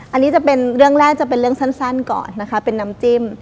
อันนี้จะเป็นเรื่องแรกจะเป็นเรื่องสั้นก่อนนะคะเป็นน้ำจิ้ม